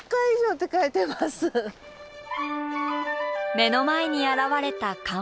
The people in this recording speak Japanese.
目の前に現れた看板。